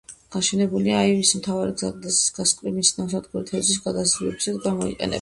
გაშენებულია იავის მთავარი გზატკეცილის გასწვრივ; მისი ნავსადგური თევზის გადაზიდვებისთვის გამოიყენება.